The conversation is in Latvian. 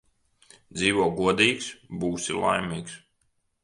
Dzīvo godīgs – būsi laimīgs